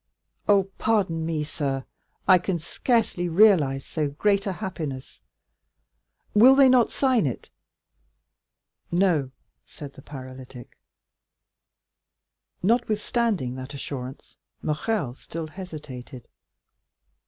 "Oh, pardon me, sir; I can scarcely realize so great a happiness. Will they not sign it?" "No," said the paralytic. Notwithstanding that assurance, Morrel still hesitated.